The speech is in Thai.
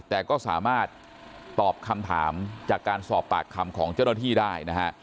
แต่ก็สามารถตอบคำถามจากการสอบปากคำของเจ้าหน้าที่ได้นะฮะ